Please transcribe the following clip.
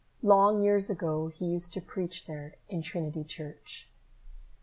Long years ago he used to preach there in Trinity Church.